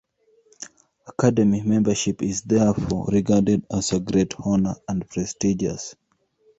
Academy membership is therefore regarded as a great honor, and prestigious.